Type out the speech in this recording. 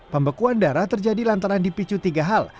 pembekuan darah terjadi lantaran di picu tiga hal